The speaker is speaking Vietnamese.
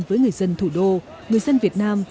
với người dân thủ đô người dân việt nam